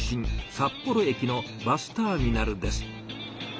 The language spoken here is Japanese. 札幌駅のバスターミナルです。